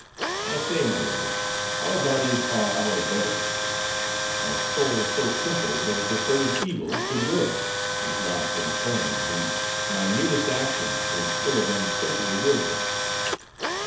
I say, my lord, our bodies are our betters. A soul so simple, that it prefers evil to good, is lodged in a frame, whose minutest action is full of unsearchable wisdom.